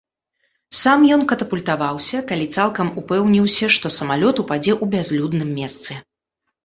Сам ён катапультаваўся, калі цалкам упэўніўся, што самалёт упадзе ў бязлюдным месцы.